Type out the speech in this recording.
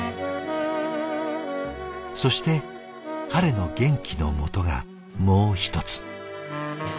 そして彼の元気のもとがもう一つ。